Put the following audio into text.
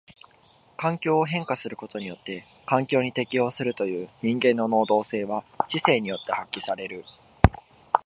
環境を変化することによって環境に適応するという人間の能動性は知性によって発揮される。